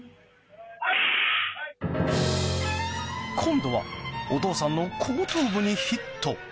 今度はお父さんの後頭部にヒット！